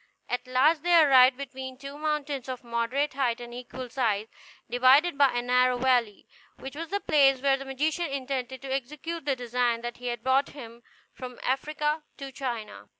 At last they arrived between two mountains of moderate height, and equal size, divided by a narrow valley, which was the place where the magician intended to execute the design that had brought him from Africa to China.